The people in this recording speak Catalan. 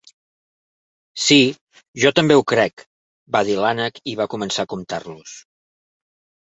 "Sí, jo també ho crec", va dir l"ànec i va començar a comptar-los.